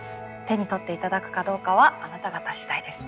手に取って頂くかどうかはあなた方次第です。